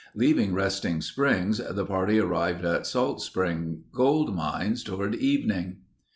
Leaving Resting Springs the party arrived at Salt Spring gold mines toward evening...."